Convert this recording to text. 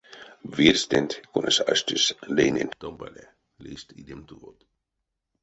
Вирьстэнть, конась аштесь лейненть томбале, лиссть идем тувот.